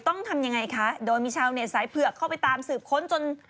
ต้องทำยังไงคะโดยมีชาวเน็ตสายเผือกเข้าไปตามสืบค้นจน